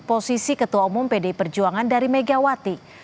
posisi ketua umum pdi perjuangan dari megawati